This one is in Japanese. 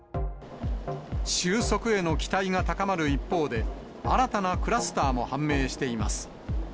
収束への期待が高まる一方で、新たなクラスターも判明しています。